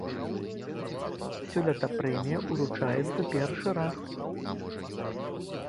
Сёлета прэмія ўручаецца першы раз.